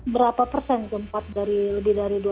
berapa persen itu empat dari lebih dari dua ratus